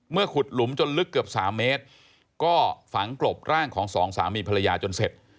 ขุดหลุมจนลึกเกือบ๓เมตรก็ฝังกลบร่างของสองสามีภรรยาจนเสร็จ